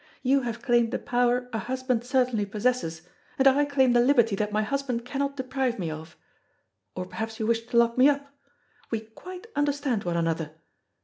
You have claimed the power a husband certainly possesses, and I claim the liberty that my husband cannot deprive me of. Or perhaps you wish to lock me up. We quite understand one another.